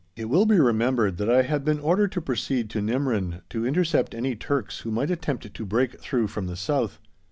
It will be remembered that I had been ordered to proceed to Nimrin to intercept any Turks who might attempt to break through from the South.